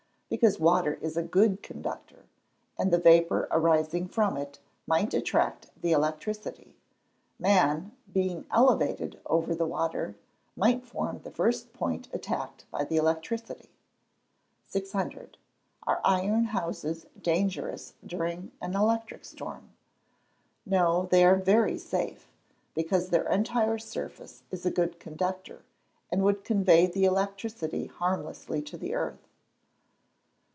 _ Because water is a good conductor, and the vapour arising from it might attract the electricity. Man, being elevated over the water, might form the first point attacked by the electricity. 600. Are iron houses dangerous during an electric storm? No; they are very safe, because their entire surface is a good conductor, and would convey the electricity harmlessly to the earth.